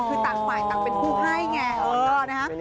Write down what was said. คือต่างใหม่ต่างเป็นผู้ให้ไงเออนะฮะ